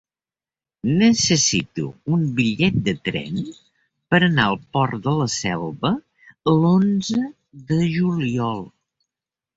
Necessito un bitllet de tren per anar al Port de la Selva l'onze de juliol.